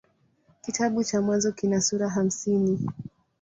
Kitabu cha Mwanzo kina sura hamsini.